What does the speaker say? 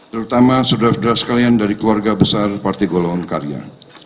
terutama saudara saudara sekalian dari keluarga besar partai golongan karya